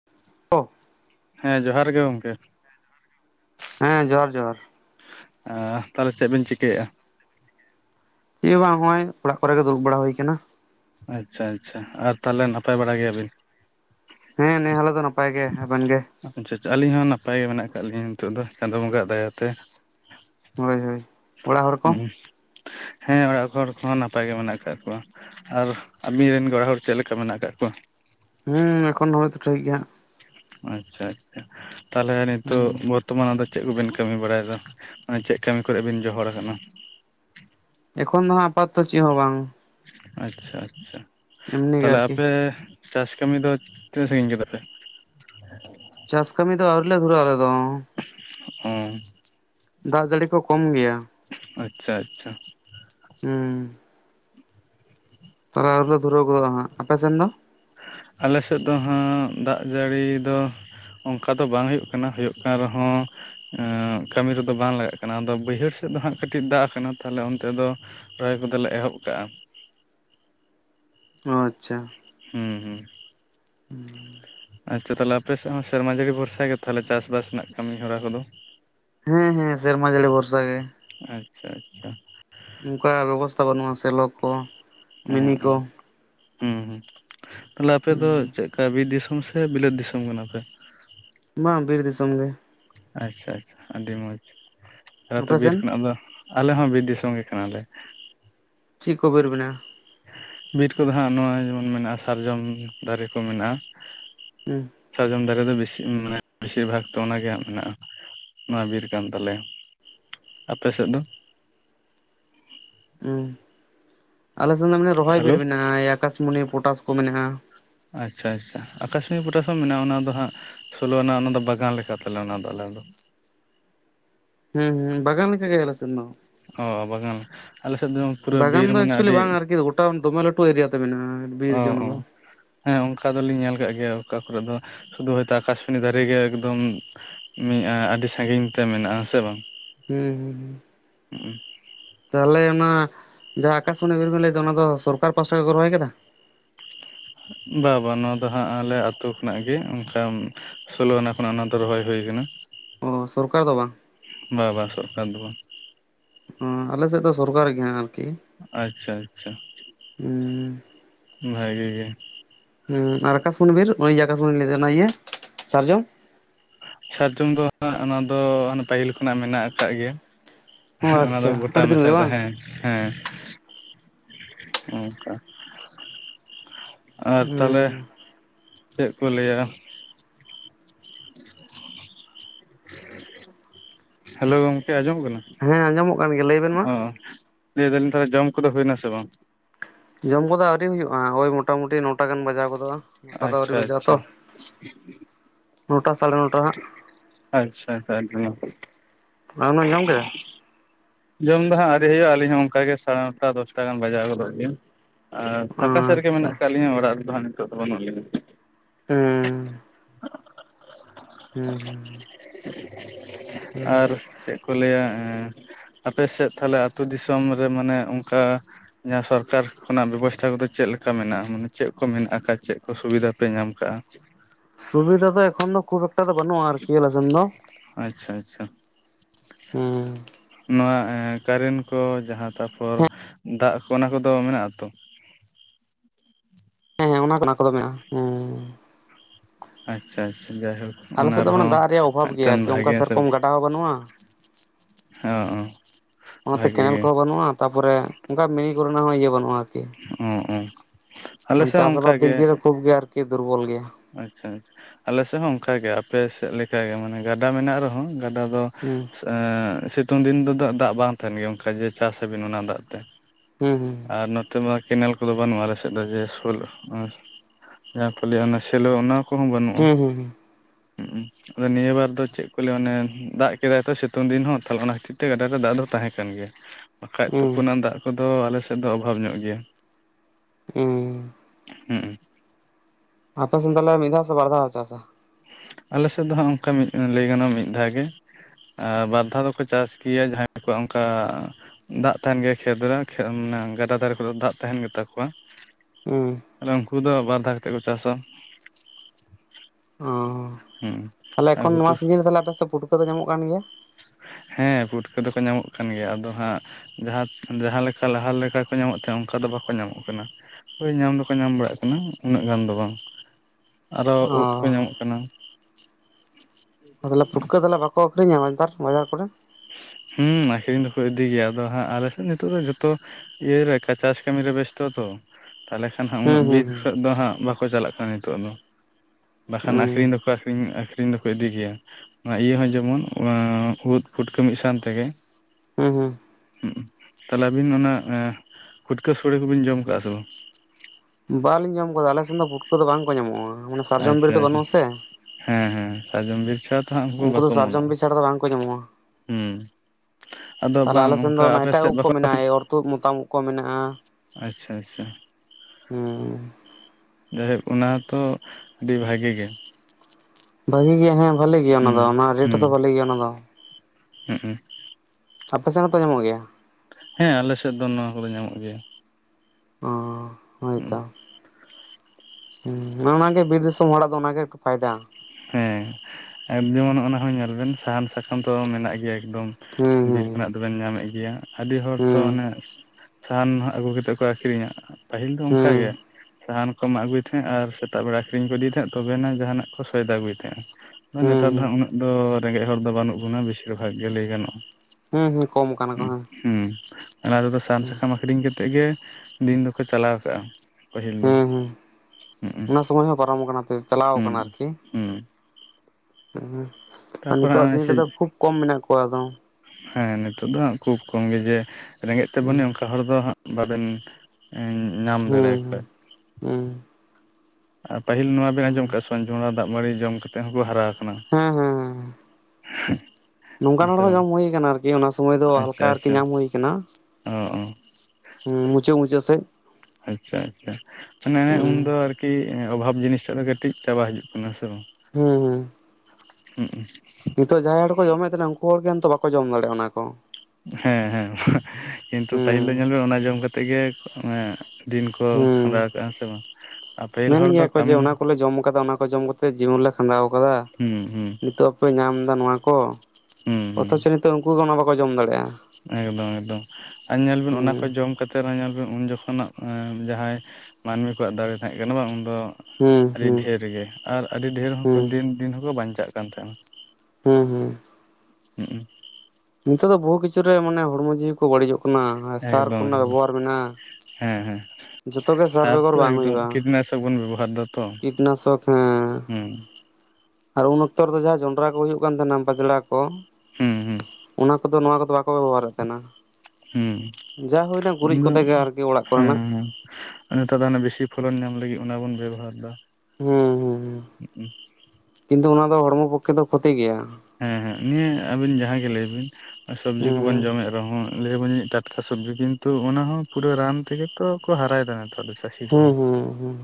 [unintelligible] ᱦᱮᱸ ᱡᱚᱦᱟᱨ ᱜᱮ ᱜᱚᱢᱠᱮ ᱾ ᱦᱮᱸ ᱡᱚᱦᱟᱨ ᱡᱚᱦᱟᱨ ᱾ ᱟᱸ ᱛᱟᱦᱚᱞᱮ ᱪᱮᱫ ᱵᱤᱱ ᱪᱤᱠᱟᱹᱭᱮᱫᱼᱟ? ᱪᱮᱜ ᱦᱚ ᱵᱟᱝ ᱦᱚᱼᱚᱜ ᱚᱲᱟᱜ ᱠᱚᱨᱮ ᱜᱮ ᱫᱩᱲᱩᱵ ᱵᱟᱲᱟ ᱦᱩᱭ ᱠᱟᱱᱟ᱾ ᱟᱪᱪᱷᱟ ᱟᱪᱪᱷᱟ, ᱟᱨ ᱛᱟᱦᱚᱞᱮ ᱱᱟᱯᱟᱭ ᱵᱟᱲᱟ ᱜᱮᱭᱟ ᱵᱤᱱ? ᱦᱮᱸ, ᱱᱮ ᱦᱚᱲ ᱫᱚ ᱱᱟᱯᱟᱭ ᱜᱮ᱾ ᱟᱵᱮᱱ ᱜᱮ? ᱟ ᱪᱷᱟᱪ, ᱟᱹᱞᱤᱧ ᱦᱚᱸ ᱱᱟᱯᱟᱭ ᱜᱮ ᱢᱮᱱᱟᱜ ᱠᱟᱜ ᱞᱤᱧᱟᱹ ᱱᱤᱛᱚᱜ ᱫᱚ ᱪᱟᱸᱫᱳ ᱵᱚᱸᱜᱟᱣᱟᱜ ᱫᱟᱭᱟ ᱛᱮ᱾ ᱦᱳᱭ ᱦᱳᱭ, ᱚᱲᱟᱜ ᱦᱚᱲ ᱠᱚ? ᱦᱮᱸ, ᱚᱲᱟᱜ ᱦᱚᱲ ᱠᱚᱦᱚᱸ ᱱᱟᱯᱟᱭ ᱜᱮ ᱢᱮᱱᱟᱜ ᱠᱟᱜ ᱠᱚᱣᱟ᱾ ᱟᱨ ᱟᱵᱤᱱ ᱨᱮᱱ ᱜᱮ ᱚᱲᱟᱜ ᱦᱚᱲ ᱪᱮᱜ ᱞᱮᱠᱟ ᱢᱮᱱᱟᱜ ᱠᱟᱜ ᱠᱚᱣᱟ? ᱦᱩᱸ, ᱮᱠᱷᱚᱱ ᱱᱚᱼᱚᱭ ᱛᱚ ᱴᱷᱤᱠ ᱜᱮ ᱦᱟᱸᱜ᱾ ᱟᱪᱪᱷᱟ, ᱟᱪᱪᱷᱟ, ᱛᱟᱦᱚᱞᱮ ᱱᱤᱛᱚᱜ ᱦᱟᱸᱜ ᱵᱳᱴ ᱛᱚᱢᱟᱱ ᱟᱫᱚ ᱪᱮᱜ ᱠᱚᱵᱮᱱ ᱠᱟᱹᱢᱤ ᱵᱟᱲᱟᱭ ᱫᱟ? ᱢᱟᱱᱮ ᱪᱮᱜ ᱠᱟᱹᱢᱤ ᱠᱚᱨᱮ ᱵᱤᱱ ᱡᱚᱦᱚᱲ ᱟᱠᱟᱱᱟ? ᱮᱠᱷᱚᱱ ᱫᱚ ᱦᱟᱸᱜ ᱟᱯᱟᱛᱚ ᱪᱮᱜ ᱦᱚᱸ ᱵᱟᱝ᱾ ᱟᱪᱪᱷᱟ ᱟᱪᱪᱷᱟ, ᱮᱢᱱᱤ ᱜᱮ ᱛᱟᱦᱞᱮ ᱟᱨᱠᱤ ᱟᱯᱮ ᱪᱟᱥ ᱠᱟᱹᱢᱤ ᱫᱚ ᱛᱤᱱᱟᱹᱜ ᱥᱟᱺᱜᱤᱧ ᱜᱟ ᱯᱮ? ᱪᱟᱥ ᱠᱟᱹᱢᱤ ᱫᱚ ᱟᱹᱣᱨᱤ ᱞᱮ ᱫᱷᱩᱨᱟᱹᱜᱼᱟ ᱟᱞᱮ ᱫᱚ᱾ ᱦᱩᱸ᱾ ᱫᱟᱜ ᱡᱟᱹᱲᱤ ᱠᱚ ᱠᱚᱢ ᱜᱮᱭᱟ᱾ ᱟᱪᱪᱷᱟ, ᱟᱪᱪᱷᱟ᱾ ᱦᱩᱸ᱾ ᱛᱟᱦᱞᱮ ᱟᱣᱨᱤ ᱞᱮ ᱫᱷᱩᱨᱟᱹᱣ ᱜᱚᱫᱚᱼᱟ ᱦᱟᱜ, ᱟᱯᱮ ᱥᱮᱱ ᱫᱚ? ᱟᱞᱮ ᱥᱮᱫ ᱫᱚ ᱦᱟᱸᱜ ᱫᱟᱜ ᱡᱟᱹᱲᱤ ᱫᱚ ᱚᱝᱠᱟ ᱫᱚ ᱵᱟᱝ ᱦᱩᱭᱩᱜ ᱠᱟᱱᱟ ᱦᱳᱭᱳᱜ ᱠᱟᱱ ᱨᱮᱦᱚᱸ ᱮᱸᱜ ᱠᱟᱹᱢᱤ ᱨᱮᱫᱚ ᱵᱟᱝ ᱞᱟᱜᱟᱜ ᱠᱟᱱᱟ, ᱟᱫᱚ ᱵᱟᱹᱭᱦᱟᱹᱲ ᱥᱮᱫ ᱫᱚ ᱦᱟᱸᱜ ᱠᱟᱹᱴᱤᱡ ᱫᱟᱜ ᱟᱠᱟᱱᱟ, ᱛᱟᱦᱞᱮ ᱚᱱᱛᱮ ᱫᱚ ᱨᱚᱦᱚᱭ ᱠᱚᱫᱚ ᱞᱮ ᱮᱦᱚᱵ ᱠᱟᱜᱼᱟ᱾ ᱚᱸ ᱟᱪᱪᱷᱟ᱾ ᱦᱩᱸ ᱦᱩᱸ᱾ ᱩᱸ᱾ ᱟᱪᱪᱷᱟ ᱛᱟᱦᱚᱞᱮ ᱟᱯᱮ ᱥᱮᱜ ᱦᱚᱸ ᱥᱮᱨᱢᱟ ᱡᱟᱹᱲᱤ ᱵᱷᱚᱨᱥᱟ ᱜᱮ ᱛᱟᱦᱚᱞᱮ ᱪᱟᱥᱼᱵᱟᱥ ᱨᱮᱱᱟᱜ ᱠᱟᱹᱢᱤ ᱦᱚᱨᱟ ᱠᱚᱫᱚ? ᱦᱮᱸ, ᱦᱮᱸ, ᱥᱮᱨᱢᱟ ᱡᱟᱹᱲᱤ ᱵᱚᱨᱥᱟ ᱜᱮ᱾ ᱟᱪᱪᱷᱟ ᱟᱪᱪᱷᱟ᱾ ᱩᱝᱠᱟ ᱵᱮᱵᱚᱥᱛᱟ ᱵᱟᱹᱱᱩᱼᱟ ᱥᱮᱞᱚ ᱠᱚ, ᱢᱤᱱᱤ ᱠᱚ᱾ ᱦᱩᱸ ᱦᱩᱸ, ᱦᱩᱸ, ᱛᱟᱦᱚᱞᱮ ᱟᱯᱮ ᱫᱚ ᱪᱮᱜᱠᱟ ᱵᱤᱨ ᱫᱤᱥᱚᱢ ᱥᱮ, ᱵᱤᱞᱟᱹᱛ ᱫᱤᱥᱚᱢ ᱠᱟᱱᱟ ᱯᱮ? ᱵᱟᱝ, ᱵᱤᱨ ᱫᱤᱥᱚᱢ ᱜᱮ᱾ ᱟᱪᱪᱷᱟ, ᱟᱪᱪᱷᱟ, ᱟᱹᱰᱤ ᱢᱚᱡᱽ ᱦᱟᱨᱟ ᱛᱚ ᱟᱯᱮ ᱵᱤᱨ ᱥᱮᱱ ᱠᱷᱚᱱᱟᱜ ᱫᱚ᱾ ᱟᱞᱮ ᱦᱚᱸ ᱵᱤᱨ ᱫᱤᱥᱚᱢ ᱜᱮ ᱠᱟᱱᱟ ᱞᱮ᱾ ᱪᱤᱜ ᱠᱚ ᱵᱤᱨ ᱢᱮᱱᱟᱜᱼᱟ? ᱵᱤᱨ ᱠᱚᱫᱚ ᱦᱟᱸᱜ ᱱᱚᱜᱼᱚᱭ ᱡᱮᱢᱚᱱ ᱢᱮᱱᱟᱜᱼᱟ ᱥᱟᱨᱡᱚᱢ ᱫᱟᱨᱮ ᱠᱚ ᱢᱮᱱᱟᱜᱼᱟ᱾ ᱩᱸ᱾ ᱥᱟᱨᱡᱚᱢ ᱫᱟᱨᱮ ᱫᱚ ᱵᱮᱥᱤ ᱢᱟᱱᱮ ᱵᱮᱥᱤᱨ ᱵᱷᱟᱠ ᱛᱚ ᱚᱱᱟᱜᱮ ᱦᱟᱸᱜ ᱢᱮᱱᱟᱜᱼᱟ᱾ ᱱᱚᱣᱟ ᱵᱤᱨ ᱠᱟᱱ ᱛᱟᱞᱮᱭᱟ, ᱟᱯᱮ ᱥᱮᱜ ᱫᱚ? ᱩᱸ ᱟᱞᱮ ᱥᱮᱱ ᱫᱚ ᱢᱟᱱᱮ ᱨᱚᱦᱚᱭ ᱵᱤᱨ ᱦᱮᱞᱳ ᱢᱮᱱᱟᱜᱼᱟ ᱟᱭᱟᱠᱟᱥᱢᱚᱱᱤ ᱯᱚᱴᱟᱥ ᱠᱚ ᱢᱮᱱᱟᱜᱼᱟ᱾ ᱟᱪᱪᱷᱟ, ᱟᱪᱪᱷᱟ, ᱟᱠᱟᱥᱢᱚᱱᱤ ᱯᱚᱴᱟᱥ ᱦᱚᱸ ᱢᱮᱱᱟᱜᱼᱟ ᱚᱱᱟ ᱫᱚ ᱦᱟᱸᱜ ᱥᱳᱞᱳ ᱟᱱᱟᱜ ᱚᱱᱟ ᱫᱚ ᱵᱟᱜᱟᱱ ᱞᱮᱠᱟ ᱛᱟᱞᱮ ᱚᱱᱟ ᱫᱚ ᱟᱞᱮ ᱫᱚ᱾ ᱦᱩᱸ, ᱦᱩᱸ, ᱵᱟᱜᱟᱱ ᱞᱮᱠᱟ ᱜᱮ ᱟᱞᱮ ᱥᱮᱱ ᱚᱸ᱾ ᱚ ᱵᱟᱜᱟᱱ, ᱟᱞᱮ ᱥᱮᱫ ᱫᱚ ᱯᱩᱨᱟᱹ ᱵᱤᱨ ᱢᱟᱱᱮ ᱟᱹᱰᱤ ᱴᱟᱣᱚᱱ ᱫᱚᱢᱮ ᱞᱟᱹᱴᱩ ᱮᱨᱤᱭᱟ ᱛᱮ ᱢᱮᱱᱟᱜᱼᱟ᱾ ᱵᱤᱨ ᱜᱮ ᱚᱱᱟ ᱚ-ᱚ᱾ ᱫᱚ ᱦᱮᱸ ᱚᱱᱠᱟ ᱫᱚᱞᱤᱧ ᱧᱮᱞ ᱠᱟᱜ ᱜᱮᱭᱟ ᱚᱠᱟ ᱠᱚᱨᱮᱜ ᱫᱚ ᱥᱩᱫᱷᱩ ᱦᱚᱭᱛᱳ ᱟᱠᱟᱥᱢᱚᱱᱤ ᱫᱟᱨᱮ ᱜᱮ ᱮᱠᱫᱚᱢ ᱢᱤᱜ-ᱟ ᱟᱹᱰᱤ ᱥᱟᱹᱜᱤᱧ ᱛᱮ ᱢᱮᱱᱟᱜ-ᱟ ᱥᱮ ᱵᱟᱝ᱾ ᱦᱩᱸ ᱦᱩᱸ ᱦᱩᱸ᱾ ᱛᱟᱦᱞᱮ ᱚᱱᱟ ᱡᱟᱦᱟᱸ ᱟᱠᱟᱥᱢᱚᱱᱤ ᱵᱤᱨ ᱵᱮᱱ ᱞᱟᱹᱭᱫᱟ ᱚᱱᱟ ᱫᱚ ᱥᱚᱨᱠᱟᱨ ᱯᱟᱥᱴᱟ ᱠᱷᱚᱡ ᱠᱚ ᱨᱚᱦᱚᱭ ᱠᱟᱫᱟ? ᱵᱟ ᱵᱟ ᱱᱚᱣᱟ ᱫᱚ ᱦᱟᱸᱜ ᱟᱞᱮ ᱟᱛᱳ ᱠᱷᱚᱱᱟᱜ ᱜᱮ ᱚᱱᱠᱟ ᱥᱳᱞᱳ ᱟᱱᱟ ᱠᱷᱚᱱᱟᱜ ᱚᱱᱟ ᱨᱚᱦᱚᱭ ᱦᱩᱭ ᱟᱠᱟᱱᱟ᱾ ᱚᱸ ᱥᱚᱨᱠᱟᱨ ᱫᱚ ᱵᱟᱝ? ᱵᱟ ᱵᱟ ᱥᱚᱨᱠᱟᱨ ᱫᱚ ᱵᱟ᱾ ᱦᱚᱸ ᱟᱞᱮ ᱥᱮᱜ ᱫᱚ ᱥᱚᱨᱠᱟᱨ ᱜᱮ ᱦᱟᱸᱜ ᱟᱨᱠᱤ᱾ ᱟᱪᱪᱷᱟ ᱟᱪᱪᱷᱟ ᱦᱩᱸ ᱵᱷᱟᱜᱤ ᱜᱮ᱾ ᱦᱩᱸ ᱟᱨ ᱟᱠᱟᱥᱢᱚᱱ ᱵᱤᱨ ᱚᱱᱮ ᱡᱮ ᱟᱠᱟᱥᱢᱚᱱᱤ ᱚᱱᱟ ᱤᱭᱟᱹ ᱥᱟᱨᱡᱚᱢ᱾ ᱥᱟᱨᱡᱚᱢ ᱫᱚ ᱦᱟᱸᱜ ᱚᱱᱟ ᱫᱚ ᱦᱟᱱᱮ ᱯᱟᱹᱦᱤᱞ ᱠᱷᱚᱱᱟᱜ ᱢᱮᱱᱟᱜ ᱟᱠᱟᱜ ᱜᱮᱭᱟ᱾ ᱚ ᱚᱱᱟ ᱫᱚ ᱟᱪᱪᱷᱟ ᱜᱚᱴᱟ ᱟᱹᱰᱤ ᱫᱤᱱ ᱜᱮ ᱢᱮᱥᱟᱭ ᱛᱟ ᱵᱟᱝ ᱦᱮᱸ ᱦᱮᱸ᱾ ᱚᱝᱠᱟ ᱟᱨ ᱦᱩᱸ ᱛᱟᱦᱞᱮ ᱪᱮᱜ ᱠᱚ ᱞᱟᱹᱭᱟ ᱦᱮᱞᱳ ᱜᱚᱝᱠᱮ ᱟᱸᱡᱚᱢ ᱠᱟᱱᱟ? ᱦᱮᱸ ᱟᱸᱡᱚᱢᱚᱜ ᱠᱟᱱ ᱜᱮᱭᱟ ᱞᱟᱹᱭ ᱵᱮᱱ ᱢᱟ᱾ ᱚᱸ ᱞᱟᱹᱭ ᱫᱟᱞᱤᱧ ᱛᱟᱦᱞᱮ ᱡᱚᱢ ᱠᱚᱫᱚ ᱦᱩᱭᱮᱱᱟ ᱥᱮ ᱵᱟᱝ? ᱡᱚᱢ ᱠᱚᱫᱚ ᱟᱹᱣᱨᱤ ᱦᱩᱭᱩᱜ-ᱟ ᱳᱭ ᱢᱚᱴᱟ ᱢᱩᱴᱤ ᱱᱚᱴᱟ ᱜᱟᱱ ᱵᱟᱡᱟᱣ ᱜᱚᱫᱚᱜ-ᱟ᱾ ᱱᱚᱴᱟ ᱫᱚ ᱟᱹᱣᱨᱤ ᱟᱪᱪᱷᱟ ᱵᱟᱡᱟᱜ-ᱟ ᱟᱪᱪᱷᱟ ᱛᱚ ᱱᱚᱴᱟ ᱥᱟᱲᱮ ᱱᱚᱴᱟ ᱦᱟᱸᱜ᱾ ᱟᱪᱪᱷᱟ ᱟᱪᱪᱷᱟ [unintelligible] ᱟᱢᱮᱢ ᱡᱚᱢ ᱠᱮᱫᱟ? ᱡᱚᱢ ᱫᱚ ᱦᱟᱸᱜ ᱟᱹᱣᱨᱤ ᱦᱩᱭᱩᱜ-ᱟ ᱟᱹᱞᱤᱧ ᱦᱚᱸ ᱚᱱᱠᱟ ᱜᱮ ᱥᱟᱲᱮ ᱱᱚᱴᱟ ᱫᱚᱥᱴᱟ ᱜᱟᱱ ᱵᱟᱡᱟᱣ ᱜᱚᱫᱚᱜ ᱜᱮᱭᱟ᱾ ᱟᱨ ᱯᱷᱟᱸᱠᱟ ᱥᱮᱜ ᱨᱮᱜᱮ ᱟᱪᱪᱷᱟ ᱢᱮᱱᱟᱜ ᱠᱟᱜ ᱞᱤᱧᱟᱹ ᱚᱲᱟᱜ ᱨᱮᱫᱚ ᱦᱟᱸᱜ ᱱᱤᱛᱚᱜ ᱫᱚ ᱵᱟᱹᱱᱩᱜ ᱞᱤᱧᱟ᱾ ᱦᱩᱸ᱾ [inaudible] ᱦᱩᱸ᱾ ᱦᱩᱸ ᱟᱨ ᱪᱮᱜ ᱠᱚ ᱞᱟᱹᱭᱟ ᱟᱯᱮ ᱥᱮᱫ ᱛᱟᱦᱞᱮ ᱟᱹᱛᱩ ᱫᱤᱥᱚᱢ ᱨᱮ ᱢᱟᱱᱮ ᱚᱱᱠᱟ ᱡᱟᱦᱟᱸ ᱥᱚᱨᱠᱟᱨ ᱠᱷᱚᱱᱟᱜ ᱵᱮᱵᱚᱥᱛᱷᱟ ᱠᱚᱫᱚ ᱪᱮᱜ ᱞᱮᱠᱟ ᱢᱮᱱᱟᱜ-ᱟ ᱢᱟᱱᱮ ᱪᱮᱜ ᱠᱚ ᱢᱮᱱᱟᱜ ᱟᱠᱟ ᱪᱮᱜ ᱠᱚ ᱥᱩᱵᱤᱫᱷᱟ ᱯᱮ ᱧᱟᱢ ᱠᱟᱜᱟ? ᱟᱠᱟᱟᱜᱼᱟ ᱥᱩᱵᱤᱫᱟ ᱫᱚ ᱮᱠᱷᱚᱱ ᱫᱚ ᱠᱷᱩᱵ ᱮᱠ ᱴᱟ ᱫᱚ ᱵᱟᱹᱱᱩᱜ-ᱟ ᱟᱨᱠᱤ ᱟᱞᱮ ᱥᱮᱱ ᱫᱚ ᱟᱪᱪᱷᱟ ᱟᱪᱪᱷᱟ ᱦᱩᱸ᱾ ᱱᱚᱣᱟ ᱠᱟᱨᱮᱱ ᱠᱚ ᱡᱟᱦᱟᱸ ᱛᱟᱯᱚᱨ ᱫᱟᱜ ᱠᱚ ᱚᱱᱟ ᱠᱚᱫᱚ ᱢᱮᱱᱟᱜ-ᱟ ᱛᱚ? ᱦᱮᱸ ᱦᱮᱸ ᱚᱱᱟ ᱠᱚ ᱚᱱᱟ ᱠᱚᱫᱚ ᱢᱮᱱᱟᱜ-ᱟ ᱦᱩᱸ᱾ ᱟᱪᱪᱷᱟ ᱟᱪᱪᱷᱟ ᱡᱟᱭᱦᱳᱠ ᱟᱞᱮ ᱚᱱᱟ ᱥᱮᱫ ᱫᱚ ᱢᱟᱱᱮ ᱨᱮᱦᱚᱸ ᱫᱟᱜ ᱨᱮᱭᱟᱜ ᱚᱵᱷᱟᱵᱽ ᱜᱮᱭᱟ ᱢᱤᱜᱴᱮᱱ ᱟᱨᱠᱤ ᱚᱱᱠᱟ ᱵᱷᱟᱜᱮᱭᱟ ᱥᱮ ᱥᱮᱨᱚᱠᱚᱢ ᱜᱟᱰᱟ ᱦᱚᱸ ᱵᱟᱹᱱᱩᱜᱼᱟ ᱦᱚᱸ ᱚᱱᱟᱛᱮ ᱵᱷᱟᱜᱮ ᱠᱮᱱᱮᱞ ᱜᱮ᱾ ᱠᱚᱦᱚᱸ ᱵᱟᱹᱱᱩᱜᱼᱟ ᱛᱟᱯᱚᱨᱮ ᱚᱱᱠᱟ ᱢᱤᱱᱤ ᱠᱚᱨᱮᱱᱟᱜ ᱦᱚᱸ ᱤᱭᱟᱹ ᱵᱩᱜᱟ ᱚ ᱚ᱾ ᱟᱞᱮ ᱢᱟᱱ ᱥᱮᱫ ᱪᱟᱥ ᱦᱚᱸ ᱚᱱᱠᱟ ᱟᱵᱟᱫ ᱫᱤᱠ ᱜᱮ ᱫᱤᱭᱮ ᱫᱚ ᱠᱷᱩᱵ ᱜᱮ ᱟᱨᱠᱤ ᱫᱩᱨᱵᱚᱞ ᱜᱮᱭᱟ᱾ ᱟᱪᱪᱷᱟ ᱟᱪᱪᱷᱟ ᱟᱞᱮ ᱥᱮᱜ ᱦᱚᱸ ᱚᱱᱠᱟᱜᱮ ᱟᱯᱮ ᱥᱮᱜ ᱞᱮᱠᱟ ᱜᱮ ᱢᱟᱱᱮ ᱜᱟᱰᱟ ᱢᱮᱱᱟᱜ ᱨᱮᱦᱚᱸ ᱜᱟᱰᱟ ᱫᱚ ᱦᱩᱸ᱾ ᱥᱤᱛᱩᱝ ᱫᱤᱱ ᱫᱚ ᱫᱟᱜ ᱫᱟᱜ ᱵᱟᱝ ᱛᱟᱦᱮᱱ ᱜᱮᱭᱟ ᱚᱱᱠᱟ ᱡᱮ ᱪᱟᱥᱟᱵᱤᱱ ᱚᱱᱟ ᱫᱟᱜ ᱛᱮ᱾ ᱦᱩᱸ ᱟᱨ ᱱᱚᱛᱮ ᱢᱟ ᱠᱮᱱᱮᱞ ᱠᱚᱫᱚ ᱵᱟᱹᱱᱩᱜ-ᱟ ᱟᱞᱮᱥᱮᱜ ᱫᱚ ᱡᱮ ᱥᱳᱞ ᱡᱟᱦᱟᱸ ᱯᱮ ᱞᱟᱭᱟ ᱚᱱᱟ ᱥᱮᱞᱚ ᱚᱱᱟ ᱠᱚᱦᱚᱸ ᱵᱟᱹᱱᱩᱜ-ᱟ ᱦᱩᱜ ᱦᱩᱸ ᱦᱩᱸ ᱦᱩᱸ ᱦᱩᱸ ᱩᱸ ᱟᱫᱚ ᱱᱤᱭᱟᱹ ᱵᱟᱨ ᱫᱚ ᱪᱮᱜ ᱠᱚ ᱞᱟᱹᱭᱟ ᱚᱱᱮ ᱫᱟᱜ ᱠᱮᱫᱟᱭ ᱛᱚ ᱥᱤᱛᱩᱝ ᱫᱤᱱ ᱦᱚᱸ ᱛᱷᱟᱞᱮ ᱚᱱᱟ ᱠᱷᱟᱹᱛᱤᱨ ᱛᱮ ᱜᱟᱰᱟᱨᱮ ᱫᱟᱜ ᱫᱚ ᱛᱟᱦᱮᱸ ᱠᱟᱱ ᱜᱮᱭᱟ᱾ ᱵᱟᱠᱷᱟᱡ ᱦᱩᱸ ᱛᱩᱯᱩᱱᱟᱜ ᱫᱟᱜ ᱠᱚᱫᱚ ᱟᱞᱮ ᱥᱮᱫ ᱫᱚ ᱚᱵᱷᱟᱵᱽ ᱧᱚᱜ ᱜᱮᱭᱟ᱾ ᱩᱸ ᱦᱩᱸᱜ ᱩᱸ ᱟᱯᱮ ᱥᱮᱱ ᱛᱟᱞᱮ ᱢᱤᱫ ᱫᱷᱟᱣ ᱥᱮ ᱵᱟᱨ ᱫᱷᱟᱣ ᱠᱚ ᱪᱟᱥᱟ? ᱟᱞᱮ ᱥᱮᱫ ᱫᱚ ᱦᱟᱸᱜ ᱚᱝᱠᱟ ᱞᱟᱹᱭ ᱜᱟᱱᱚᱜ-ᱟ ᱢᱤᱫ ᱫᱷᱟᱣ ᱜᱮ᱾ ᱟᱨ ᱵᱟᱨ ᱫᱷᱟᱣ ᱫᱚᱠᱚ ᱪᱟᱥ ᱜᱮᱭᱟ ᱡᱟᱦᱟᱸᱭ ᱠᱚᱣᱟᱜ ᱚᱝᱠᱟ ᱫᱟᱜ ᱛᱟᱦᱮᱱ ᱜᱮᱭᱟ ᱠᱷᱮᱛᱨᱮ ᱢᱟᱱᱮ ᱜᱟᱰᱟ ᱫᱷᱟᱨᱮ ᱠᱚᱨᱮ ᱫᱟᱜ ᱛᱟᱦᱮᱱ ᱜᱮᱛᱟ ᱠᱚᱣᱟ ᱩᱸ ᱟᱨ ᱩᱝᱠᱩ ᱫᱚ ᱵᱟᱨ ᱫᱷᱟᱣ ᱠᱟᱛᱮ ᱠᱚ ᱪᱟᱥᱟ᱾ ᱚ ᱦᱩᱸ ᱛᱟᱦᱞᱮ ᱟᱨ ᱮᱠᱷᱚᱱ ᱜᱷᱩᱴᱩ ᱱᱚᱣᱟ ᱥᱤᱡᱤᱱ ᱨᱮ ᱛᱟᱞᱮ ᱟᱯᱮ ᱥᱮᱜ ᱯᱩᱴᱠᱟᱹ ᱫᱚ ᱧᱟᱢᱚᱜ ᱠᱟᱱ ᱜᱮᱭᱟ? ᱦᱮᱸ ᱯᱩᱴᱠᱟᱹ ᱫᱚᱠᱚ ᱧᱟᱢᱚᱜ ᱠᱟᱱ ᱜᱮᱭᱟ ᱟᱫᱚ ᱦᱟᱸᱜ ᱡᱟᱦᱟᱸ ᱡᱟᱦᱟᱸ ᱞᱮᱠᱟ ᱞᱟᱦᱟ ᱞᱮᱠᱟ ᱠᱚ ᱧᱟᱢᱚᱜ ᱛᱟᱦᱮᱸᱜ ᱚᱝᱠᱟ ᱫᱚ ᱵᱟᱠᱚ ᱧᱟᱢᱚᱜ ᱠᱟᱱᱟ ᱳᱭ ᱧᱟᱢ ᱫᱚᱠᱚ ᱧᱟᱢ ᱵᱟᱲᱟᱜ ᱠᱟᱱᱟ ᱩᱱᱟᱹᱜ ᱜᱟᱱ ᱫᱚ ᱵᱟᱝ᱾ ᱟᱨᱚ ᱩᱫ ᱠᱚ ᱚ ᱧᱟᱢᱚᱜ ᱠᱟᱱᱟ᱾ ᱚ ᱛᱟᱦᱞᱮ ᱯᱷᱩᱴᱠᱟᱹ ᱛᱟᱞᱮ ᱵᱟᱠᱚ ᱟᱹᱷᱨᱤᱧᱟ ᱦᱚᱧ ᱛᱟᱨ ᱵᱟᱡᱟᱨ ᱠᱚᱨᱮ? ᱦᱩᱸ ᱟᱠᱷᱨᱤᱧ ᱫᱚᱠᱚ ᱤᱫᱤ ᱜᱮᱭᱟ ᱟᱫᱚ ᱦᱟᱸᱜ ᱟᱞᱮ ᱥᱮᱫ ᱱᱤᱛᱳᱜ ᱫᱚ ᱡᱷᱚᱛᱚ ᱤᱭᱟᱹ ᱨᱮ ᱠᱟ ᱪᱟᱥ ᱠᱟᱹᱢᱤ ᱨᱮ ᱵᱮᱥᱛ ᱛᱚ ᱛᱟᱞᱦᱮ ᱠᱷᱟᱱ ᱦᱟᱸᱜ ᱦᱩᱸ ᱩᱱᱟᱹᱜ ᱵᱤᱨ ᱦᱩᱸ ᱥᱮᱡ ᱫᱚ ᱦᱟᱸᱜ ᱵᱟᱠᱚ ᱪᱟᱞᱟᱜ ᱠᱟᱱᱟ ᱱᱤᱛᱳᱜ ᱫᱚ ᱵᱟᱠᱷᱟᱱ ᱦᱩᱸ ᱦᱩᱸ ᱟᱹᱠᱷᱨᱤᱧ ᱫᱚᱠᱚ ᱟᱠᱷ ᱨᱤᱝ ᱟᱠᱷᱨᱤᱝ ᱫᱚᱠᱚ ᱤᱫᱤ ᱜᱮᱭᱟ ᱚᱱᱟ ᱤᱭᱟᱹ ᱦᱚᱸ ᱡᱮᱢᱚᱱ ᱚᱱᱟ ᱩᱫᱽ ᱯᱩᱴᱠᱟᱹ ᱢᱤᱫ ᱥᱟᱶ ᱛᱮᱜᱮ᱾ ᱦᱩᱸ ᱦᱩᱸ ᱦᱩᱜ ᱩᱸ ᱛᱟᱦᱞᱮ ᱟᱹᱵᱤᱱ ᱚᱱᱟ ᱠᱷᱩᱴᱠᱟᱹ ᱥᱚᱲᱮ ᱠᱚᱵᱤᱱ ᱡᱚᱢ ᱠᱟᱜ-ᱟ ᱥᱮ ᱵᱟᱝ? ᱵᱟᱞᱤᱧ ᱡᱚᱢ ᱠᱟᱫᱟ ᱟᱞᱮᱥᱮᱱ ᱫᱚ ᱯᱩᱴᱠᱟᱹ ᱫᱚ ᱵᱟᱝᱠᱚ ᱧᱟᱢᱚᱜ-ᱟ᱾ ᱟᱪᱪᱷᱟ ᱟᱪᱪᱷᱟ ᱦᱮᱸ ᱦᱮᱸ ᱥᱟᱨᱡᱚᱢ ᱵᱤᱨ ᱪᱷᱟᱛ ᱛᱚ ᱦᱟᱸᱜ ᱩᱝᱠᱩ ᱠᱩ ᱩᱱᱠᱩ ᱵᱟᱠᱚ ᱫᱚ ᱥᱟᱨᱡᱚᱢ ᱚᱢᱚᱱᱚᱜ-ᱟ, ᱵᱤᱨ ᱪᱷᱟᱲᱟ ᱫᱚ ᱵᱟᱝᱠᱚ ᱧᱟᱢᱚᱜᱼᱟ ᱦᱩᱸ ᱟᱫᱚ ᱵᱟᱝ ᱚᱝᱠᱟ ᱟᱯᱮ ᱥᱮᱫ ᱵᱟᱠᱚ ᱟᱠ ᱨᱤ ᱛᱳᱜ ᱢᱚᱛᱟᱢ ᱩᱜ ᱠᱚ ᱢᱮᱱᱟᱜ-ᱟ, ᱟᱪᱪᱷᱟ ᱟᱪᱪᱷᱟ ᱦᱩᱸ ᱡᱟᱭᱦᱳᱠ ᱚᱱᱟ ᱦᱚᱸᱛᱚ ᱟᱹᱰᱮ ᱵᱷᱟᱜᱮ ᱜᱮ᱾ ᱵᱷᱟᱹᱜᱤ ᱜᱮᱭᱟ ᱦᱮᱸ ᱵᱷᱟᱮᱞᱮ ᱜᱮᱭᱟ ᱚᱱᱟ ᱫᱚ ᱦᱩᱸ ᱚᱱᱟ ᱨᱮᱴ ᱦᱚᱸᱛᱚ ᱵᱷᱟᱞᱤ ᱜᱮᱭᱟ ᱚᱱᱟ ᱫᱚ᱾ ᱦᱩᱸᱜ ᱩᱸ ᱟᱯᱮ ᱥᱮᱱ ᱦᱚᱸᱛᱚ ᱧᱟᱢᱚᱜ ᱜᱮᱭᱟ? ᱦᱮᱸ ᱟᱞᱮ ᱥᱮᱫ ᱫᱚ ᱱᱚᱣᱟ ᱠᱚᱫᱚ ᱧᱟᱢᱚᱜ ᱜᱮᱭᱟ᱾ ᱚᱸᱻ ᱦᱩᱸᱜ ᱩᱸ ᱦᱩᱸ ᱱᱚᱜ ᱱᱟ ᱜᱮ ᱵᱤᱨ ᱫᱤᱥᱚᱢ ᱦᱚᱲᱟᱜ ᱫᱚ ᱚᱱᱟ ᱜᱮ ᱮᱴᱩ ᱯᱷᱟᱭᱫᱟ᱾ ᱦᱮᱸ ᱟᱨ ᱡᱮᱢᱚᱱ ᱱᱚᱜ ᱱᱟ ᱦᱚᱸ ᱧᱮᱞ ᱵᱮᱱ ᱥᱟᱦᱟᱱ ᱥᱟᱠᱟᱢ ᱛᱚ ᱢᱮᱱᱟᱜ ᱜᱮᱭᱟ ᱮᱠᱫᱚᱢ, ᱵᱤᱨ ᱦᱩᱸ ᱠᱷᱚᱱᱟᱜ ᱛᱚ ᱵᱮᱱ ᱧᱟᱢᱮᱜ ᱜᱮᱭᱟ ᱟᱹᱰᱤ ᱦᱩᱸ ᱦᱚᱲ ᱛᱚ ᱦᱩᱸ ᱚᱱᱮ ᱥᱟᱦᱟᱱ ᱱᱟᱦᱟᱜ ᱟᱹᱜᱩ ᱠᱟᱛᱮᱜ ᱠᱚ ᱟᱠᱷᱨᱤᱧᱟ, ᱯᱟᱹᱦᱤᱞ ᱫᱚ ᱚᱝᱠᱟ ᱦᱩᱸ ᱜᱮ ᱥᱟᱦᱟᱱ ᱠᱚ ᱢᱟᱜ ᱟᱹᱜᱩᱭ ᱛᱟᱦᱮᱸᱫ ᱟᱨ ᱥᱮᱛᱟᱜ ᱵᱮᱲᱟ ᱟᱠᱷᱨᱤᱧ ᱠᱚ ᱤᱫᱤᱭ ᱛᱟᱦᱮᱸᱜ ᱛᱚᱵᱮ ᱮᱱᱟ ᱡᱟᱦᱟᱱᱟᱜ ᱠᱚ ᱥᱚᱭᱫᱟ ᱟᱹᱜᱩᱭᱮᱫ ᱛᱟᱦᱮᱸᱜ-ᱟ, ᱫᱚ ᱱᱮᱛᱟᱨ ᱫᱚ ᱦᱟᱜ ᱦᱮᱸ ᱩᱱᱟᱹᱜ ᱫᱚ ᱨᱮᱸᱜᱮᱡ ᱦᱚᱲ ᱫᱚ ᱵᱟᱹᱱᱩᱜ ᱵᱚᱱᱟ ᱵᱮᱥᱤᱨ ᱵᱷᱟᱜᱽ ᱜᱮ ᱞᱟᱹᱭ ᱜᱟᱱᱚᱜ-ᱟ᱾ ᱦᱮᱸ ᱦᱮᱸ ᱠᱚᱢ ᱠᱟᱱᱟ ᱦᱩ ᱠᱚ ᱦᱮᱸ ᱦᱩᱸ ᱚᱱᱟ ᱨᱮᱫᱚ ᱥᱟᱦᱟᱱ ᱥᱟᱠᱟᱢ ᱟᱠᱷᱨᱤᱧ ᱠᱟᱛᱮᱜ ᱜᱮ ᱫᱤᱱ ᱫᱚᱠᱚ ᱪᱟᱞᱟᱣ ᱠᱟᱜ-ᱟ ᱯᱟᱹᱦᱤᱞ ᱫᱚ ᱦᱮᱸ ᱦᱮᱸ ᱦᱩᱜ ᱩᱸ᱾ ᱚᱱᱟ ᱥᱚᱢᱚᱭ ᱦᱚᱸ ᱯᱟᱨᱚᱢ ᱟᱠᱟᱱᱟ ᱯᱮ ᱪᱟᱞᱟᱣ ᱠᱟᱱᱟ ᱟᱨᱠᱤ ᱦᱩᱸ ᱾ ᱦᱮᱸ ᱟᱨ ᱛᱟᱯᱚᱨᱮ ᱱᱤᱛᱚᱜ ᱦᱚᱸᱜᱼᱚᱭ ᱫᱤᱱ ᱥᱮ ᱨᱮᱫᱚ ᱠᱷᱩᱵ ᱠᱚᱢ ᱢᱮᱱᱟᱜ ᱠᱚᱣᱟ ᱟᱫᱚ ᱾ ᱦᱮᱸ ᱱᱤᱛᱚᱜ ᱫᱚ ᱠᱷᱩᱵ ᱠᱚᱢ ᱜᱮ ᱡᱮ ᱨᱮᱸᱜᱮᱡ ᱛᱮ ᱦᱮᱸ ᱵᱚᱱᱮ ᱚᱱᱠᱟ ᱦᱚᱲ ᱫᱚ ᱦᱟᱸᱜ ᱵᱟᱵᱮᱱ ᱧᱟᱢ ᱫᱟᱲᱮᱭᱟᱠᱚᱣᱟ ᱾ ᱦᱩᱸ ᱾ ᱟᱨ ᱯᱟᱹᱦᱤᱞ ᱱᱚᱣᱟ ᱵᱮᱱ ᱟᱸᱡᱚᱢ ᱟᱠᱟᱜ ᱥᱮ ᱡᱚᱱᱳᱲᱟ ᱫᱟᱜ ᱢᱟᱹᱲᱤ ᱡᱚᱢ ᱠᱟᱛᱮ ᱦᱚᱸᱠᱚ ᱦᱟᱨᱟ ᱟᱠᱟᱱᱟ ᱾ ᱦᱮᱸ ᱱᱚᱝᱠᱟᱱ ᱦᱚᱲ ᱦᱚᱸ ᱡᱚᱢ ᱦᱩᱭ ᱟᱠᱟᱱᱟ ᱟᱨᱠᱤ ᱚᱱᱟ ᱥᱩᱢᱟᱹᱭ ᱫᱚ ᱦᱟᱞᱠᱟ ᱟᱨᱠᱤ ᱧᱟᱢ ᱦᱩᱭ ᱟᱠᱟᱱᱟ ᱾ ᱚᱦᱚᱸ ᱾ ᱦᱮᱸ ᱢᱩᱪᱟᱹᱫ ᱢᱩᱪᱟᱹᱫ ᱥᱮᱫ ᱾ ᱟᱪᱪᱷᱟ ᱟᱪᱪᱷᱟ ᱢᱟᱱᱮ ᱦᱮᱸ ᱩᱱᱫᱚ ᱟᱨᱠᱤ ᱚᱵᱷᱟᱵ ᱡᱤᱱᱤᱥ ᱴᱟᱜ ᱫᱚ ᱠᱟᱹᱴᱤᱡ ᱪᱟᱵᱟ ᱦᱤᱡᱩᱜ ᱠᱟᱱᱟ ᱦᱮᱸ ᱥᱮ ᱵᱟᱝ ᱾ ᱦᱩᱸ ᱦᱩᱸ ᱾ ᱦᱩᱸᱜᱼᱩ ᱾ ᱱᱤᱛᱚᱜ ᱡᱟᱦᱟᱸᱭ ᱦᱚᱲ ᱠᱚ ᱡᱚᱢᱮᱫ ᱛᱟᱦᱮᱱᱟ ᱩᱱᱠᱩ ᱦᱚᱲᱜᱮ ᱱᱤᱛᱚᱜ ᱵᱟᱠᱚ ᱡᱚᱢ ᱫᱟᱲᱮᱭᱟᱜᱼᱟ ᱚᱱᱟ ᱠᱚ ᱾ ᱦᱮᱸ ᱦᱮᱸ ᱠᱤᱱᱛᱩ ᱯᱟᱹᱦᱤᱞ ᱫᱚ ᱦᱮᱸ ᱧᱮᱞ ᱵᱮᱱ ᱚᱱᱟ ᱡᱚᱢ ᱠᱟᱛᱮᱫ ᱜᱮ ᱾ ᱫᱤᱱ ᱠᱚ ᱦᱮᱸ ᱠᱷᱟᱸᱰᱟᱣ ᱟᱠᱟᱜᱼᱟ ᱦᱮᱸ ᱥᱮ ᱵᱟᱝ ᱟᱨ ᱯᱟᱹᱦᱤᱞ ᱦᱚᱲ ᱫᱚ ᱠᱟᱹᱢᱤ ᱞᱮ ᱡᱚᱢ ᱟᱠᱟᱫᱟ ᱚᱱᱟ ᱠᱚ ᱡᱚᱢ ᱠᱟᱛᱮ ᱡᱤᱭᱚᱱ ᱞᱮ ᱠᱷᱟᱸᱰᱟᱣ ᱟᱠᱟᱫᱟ ᱦᱩᱸ ᱦᱩᱸ ᱱᱤᱛᱚᱜ ᱠᱚ ᱧᱟᱢ ᱮᱫᱟ ᱱᱚᱣᱟ ᱠᱚ ᱦᱩᱸ ᱦᱩᱸ ᱚᱛᱚᱪᱷᱚ ᱱᱤᱛᱚᱜ ᱩᱱᱠᱩ ᱜᱮ ᱚᱱᱟ ᱵᱟᱠᱚ ᱡᱚᱢ ᱫᱟᱲᱮᱭᱟᱜᱼᱟ ᱾ ᱮᱠᱫᱚᱢ ᱮᱠᱫᱚᱢ ᱟᱨ ᱧᱮᱞ ᱵᱤᱱ ᱚᱱᱟ ᱠᱚ ᱡᱚᱢ ᱠᱟᱛᱮ ᱨᱮᱦᱚᱸ ᱧᱮᱞ ᱵᱤᱱ ᱩᱱ ᱡᱚᱠᱷᱚᱱᱟᱜ ᱡᱟᱦᱟᱸᱭ ᱢᱟᱹᱱᱢᱤ ᱠᱚᱣᱟᱜ ᱫᱟᱲᱮ ᱛᱟᱦᱮᱸ ᱠᱟᱱᱟ ᱵᱟᱝ ᱩᱱᱫᱚ ᱦᱩᱸ ᱟᱹᱰᱤ ᱦᱩᱸ ᱰᱷᱮᱨ ᱜᱮ ᱟᱨ ᱟᱹᱰᱤ ᱰᱷᱮᱨ ᱦᱚᱸᱠᱚ ᱦᱩᱸ ᱫᱤᱱ ᱫᱤᱱ ᱦᱚᱸᱠᱚ ᱵᱟᱧᱪᱟᱜ ᱠᱟᱱ ᱛᱟᱦᱮᱸᱼᱟ ᱾ ᱦᱩᱸ ᱦᱩᱸ ᱾ ᱦᱩᱜᱼᱩᱸ ᱾ ᱱᱤᱛᱚᱜ ᱫᱚ ᱵᱚᱦᱩ ᱠᱤᱪᱷᱩᱨᱮ ᱢᱟᱱᱮ ᱦᱚᱲᱢᱚ ᱡᱤᱣᱤ ᱠᱚ ᱵᱟᱹᱲᱤᱡᱚᱜ ᱠᱟᱱᱟ ᱥᱟᱨ ᱮᱠᱫᱚᱢ ᱠᱚᱨᱮᱱᱟᱜ ᱮᱠᱫᱚᱢ ᱵᱮᱵᱚᱦᱟᱨ ᱢᱮᱱᱟᱜᱼᱟ ᱦᱮᱸ ᱦᱮᱸ ᱾ ᱡᱚᱛᱚ ᱜᱮ ᱥᱟᱨ ᱵᱮᱜᱚᱨ ᱵᱟᱝ ᱦᱩᱭᱩᱜᱼᱟ ᱾ ᱱᱤᱛᱚᱜ ᱵᱚᱱ ᱵᱮᱵᱚᱦᱟᱨ ᱫᱚ ᱾ ᱠᱤᱴᱱᱟᱥᱚᱠ ᱦᱮᱸ ᱾ ᱟᱨ ᱩᱱ ᱚᱠᱛᱚ ᱨᱮᱫᱚ ᱡᱟᱦᱟᱸ ᱡᱚᱱᱰᱨᱟ ᱠᱚ ᱦᱩᱭᱩᱜ ᱠᱟᱱ ᱛᱟᱦᱮᱱᱟ ᱵᱟᱡᱽᱲᱟ ᱠᱚ ᱦᱩᱸ ᱦᱩᱸ ᱾ ᱚᱱᱟ ᱠᱚᱫᱚ ᱱᱚᱣᱟ ᱠᱚᱫᱚ ᱵᱟᱠᱚ ᱵᱮᱵᱚᱦᱟᱨᱮᱫ ᱛᱟᱦᱮᱱᱟ ᱦᱩᱸ ᱾ ᱡᱟ ᱦᱩᱭᱱᱟ ᱜᱩᱨᱤᱡ ᱩᱱᱫᱚ ᱠᱚᱛᱮ ᱜᱮ ᱟᱨᱠᱤ ᱚᱲᱟᱜ ᱦᱮᱸ ᱠᱚᱨᱮᱱᱟᱜ ᱾ ᱦᱮᱸ ᱱᱮᱛᱟᱨ ᱫᱚᱮ ᱵᱮᱥᱤ ᱯᱷᱚᱞᱚᱱ ᱧᱟᱢ ᱞᱟᱹᱜᱤᱫ ᱚᱱᱟ ᱵᱚᱱ ᱵᱮᱵᱚᱦᱟᱨ ᱮᱫᱟ ᱾ ᱦᱩᱸ ᱦᱩᱸ ᱦᱩᱸ ᱠᱤᱱᱛᱩ ᱚᱱᱟ ᱫᱚ ᱦᱚᱲᱢᱚ ᱯᱚᱠᱷᱮ ᱫᱚ ᱠᱷᱚᱛᱤ ᱜᱮᱭᱟ ᱾ ᱦᱮᱸ ᱦᱮᱸ ᱱᱤᱭᱟᱹ ᱟᱹᱵᱤᱱ ᱡᱟᱦᱟᱸ ᱜᱮ ᱞᱟᱹᱭ ᱵᱤᱱ ᱥᱚᱵᱽᱡᱤ ᱠᱚᱵᱚᱱ ᱦᱩᱸ ᱡᱚᱢᱮᱫ ᱟᱨᱦᱚᱸ ᱞᱟᱹᱭᱵᱟᱹᱧ ᱴᱟᱴᱠᱟ ᱥᱚᱵᱽᱡᱤ ᱠᱤᱱᱛᱩ ᱚᱱᱟ ᱦᱚᱸ ᱯᱩᱨᱟᱹ ᱨᱟᱱ ᱛᱮᱜᱮᱛᱚ ᱠᱚ ᱦᱟᱨᱟᱭᱮᱫᱟ ᱱᱤᱛᱚᱜ ᱫᱚ ᱾ ᱪᱟᱹᱥᱤ ᱦᱩᱸ ᱠᱚᱦᱚᱸ ᱦᱩᱸ ᱦᱩᱸ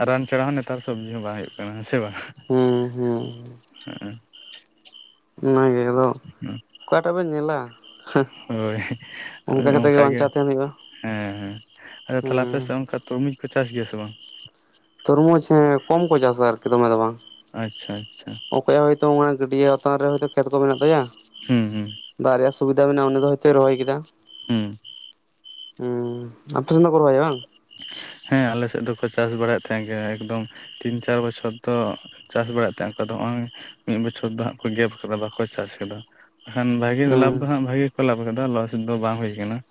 ᱟᱨ ᱨᱟᱱ ᱪᱷᱟᱲᱟ ᱦᱚᱸ ᱱᱮᱛᱟᱨ ᱥᱚᱵᱽᱡᱤ ᱦᱚᱸ ᱵᱟᱝ ᱦᱩᱭᱩᱜ ᱠᱟᱱᱟ ᱦᱮᱸᱥᱮ ᱵᱟᱝ ᱦᱩᱸ ᱦᱩᱸ ᱦᱩᱸ ᱦᱚᱜᱼᱚ ᱾ ᱚᱱᱟ ᱜᱮᱦᱫᱚ ᱾ ᱚᱠᱟᱴᱟᱜ ᱵᱮᱱ ᱧᱮᱞᱟ, ᱚᱱᱠᱟ ᱦᱳᱭ ᱠᱟᱛᱮ ᱜᱮ ᱚᱱᱠᱟᱜᱮ ᱵᱟᱧᱪᱟᱣ ᱛᱟᱦᱮᱱ ᱦᱩᱭᱩᱜᱼᱟ ᱾ ᱦᱮᱸ ᱦᱮᱸ ᱟᱫᱚ ᱛᱟᱦᱞᱮ ᱛᱩᱨᱢᱤᱡ ᱯᱮ ᱪᱟᱥ ᱜᱮᱭᱟ ᱥᱮ ᱵᱟᱝ ᱾ ᱛᱚᱨᱢᱩᱡᱽ ᱦᱮ ᱠᱚᱢ ᱠᱚ ᱪᱟᱥᱟ ᱟᱨᱠᱤ ᱫᱚᱢᱮ ᱫᱚ ᱵᱟᱝ ᱾ ᱟᱪᱪᱷᱟ ᱟᱪᱪᱷᱟ ᱾ ᱚᱠᱚᱭᱟᱜ ᱦᱚᱭᱛᱚ ᱚᱱᱮ ᱜᱟᱹᱰᱭᱟᱹ ᱦᱟᱛᱟᱨ ᱨᱮ ᱦᱚᱭ ᱛᱚ ᱠᱷᱮᱛ ᱠᱚ ᱢᱮᱱᱟᱜ ᱛᱟᱭᱟ ᱾ ᱦᱩᱸ ᱦᱩᱸ ᱾ ᱫᱟᱜ ᱨᱮᱭᱟᱜ ᱥᱩᱵᱤᱫᱟ ᱢᱮᱱᱟᱜᱼᱟ ᱩᱱᱤ ᱫᱚ ᱦᱚᱭᱛᱚᱭ ᱨᱚᱦᱚᱭ ᱠᱮᱫᱟ ᱾ ᱦᱩᱸ ᱦᱚᱸᱻ ᱟᱯᱮ ᱥᱮᱱ ᱫᱚᱠᱚ ᱨᱚᱦᱚᱭᱟ ᱵᱟᱝ‌‌‍‌? ᱦᱮᱸ ᱟᱞᱮ ᱥᱮᱫ ᱫᱚᱠᱚ ᱪᱟᱥ ᱵᱟᱲᱟᱭᱮᱫ ᱛᱟᱦᱮᱸ ᱜᱮ ᱮᱠᱫᱚᱢ ᱛᱤᱱ ᱪᱟᱨ ᱵᱚᱪᱷᱚᱨ ᱫᱚ ᱪᱟᱥ ᱵᱟᱲᱟᱭ ᱛᱟᱦᱮᱸ ᱠᱚ ᱟᱫᱚ ᱦᱚᱸ-ᱚᱭ ᱢᱤᱫ ᱵᱚᱪᱷᱚᱨ ᱫᱚ ᱦᱟᱸᱜ ᱠᱚ ᱜᱮᱯ ᱠᱟᱫᱟ ᱵᱟᱠᱚ ᱪᱟᱥ ᱟᱠᱟᱫᱟ ᱾ ᱠᱷᱟᱱ ᱵᱷᱟᱜᱮ ᱦᱮᱸ ᱞᱟᱵᱷ ᱫᱚ ᱦᱟᱸᱜ ᱵᱷᱟᱜᱮ ᱜᱮ ᱠᱚ ᱞᱟᱵᱷ ᱟᱠᱟᱫᱟ ᱞᱚᱥ ᱫᱚ ᱵᱟᱝ ᱦᱳᱭ ᱟᱠᱟᱱᱟ ᱾